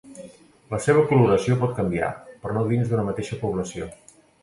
La seva coloració pot canviar, però no dins d'una mateixa població.